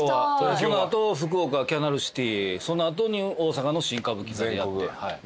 その後福岡キャナルシティその後に大阪の新歌舞伎座でやって。